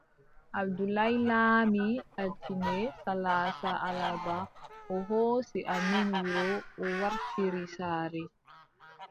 Abdoulaye laami, altine salaasa alarba, o hoosi amin wuro o wartiri saare.